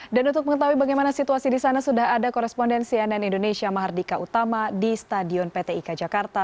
dan untuk mengetahui bagaimana situasi di sana sudah ada korespondensi ann indonesia mahardika utama di stadion pt ika jakarta